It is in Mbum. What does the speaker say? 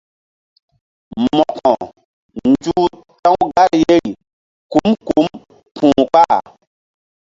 Mo̧ko nzuh ta̧w gar yeri kum kum ku̧ kpah.